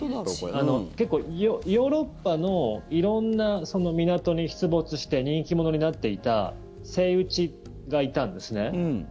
結構、ヨーロッパの色んな港に出没して人気者になっていたセイウチがいたんですね。